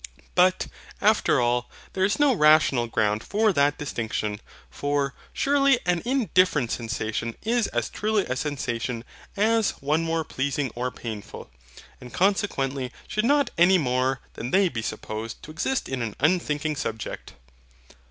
But, after all, there is no rational ground for that distinction; for, surely an indifferent sensation is as truly a SENSATION as one more pleasing or painful; and consequently should not any more than they be supposed to exist in an unthinking subject.